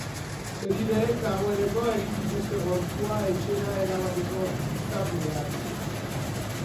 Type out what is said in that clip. Senideek dagoeneko egin dituzte gorpua etxera eramateko izapideak.